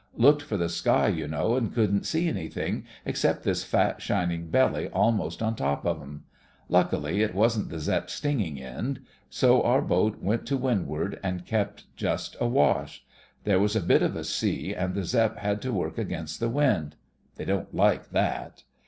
'Looked for the sky, you know, and couldn't see anything except this fat, shining belly almost on top of 'em. Luckily, it wasn't the Zepp's stingin' end. So our boat went to windward and kept just awash. There was a bit of a sea, and the Zepp had to work against the wind. (They don't like that.)